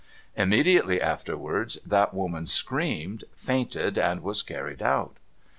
Immediately afterwards that woman screamed, fainted, and was carried out.